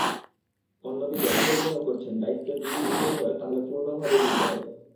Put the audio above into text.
অন্যদিকে রাহুল মনে করছেন, দায়িত্ব যদি নিতেই হয়, তাহলে পূর্ণভাবেই নিতে হবে।